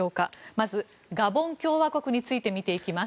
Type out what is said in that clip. まず、ガボン共和国について見ていきます。